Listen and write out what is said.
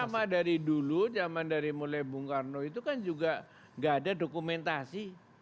sama dari dulu zaman dari mulai bung karno itu kan juga gak ada dokumentasi